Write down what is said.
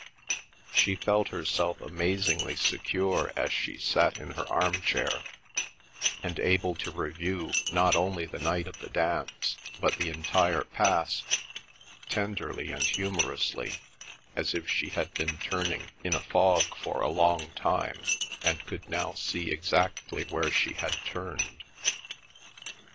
She felt herself amazingly secure as she sat in her arm chair, and able to review not only the night of the dance, but the entire past, tenderly and humorously, as if she had been turning in a fog for a long time, and could now see exactly where she had turned.